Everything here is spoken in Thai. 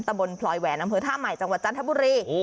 บนพลอยแหวนอำเภอท่าใหม่จังหวัดจันทบุรี